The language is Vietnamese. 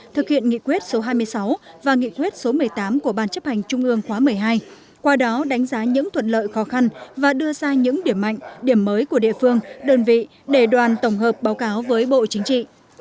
thực hiện nghị quyết số hai mươi sáu và nghị quyết số một mươi tám của ban chấp hành trung ương khóa một mươi hai qua đó đánh giá những thuận lợi khó khăn và đưa ra những điểm mạnh điểm mới của địa phương đơn vị để đoàn tổng hợp báo cáo với bộ chính trị